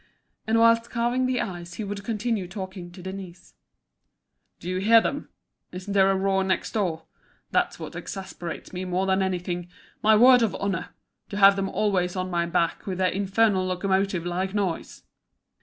And whilst carving the eye he would continue talking to Denise. "Do you hear them? Isn't there a roar next door? That's what exasperates me more than anything, my word of honour! to have them always on my back with their infernal locomotive like noise."